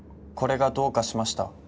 これがどうかしました？